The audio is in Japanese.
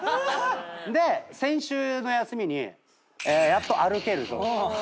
で先週の休みにやっと歩けるぞと。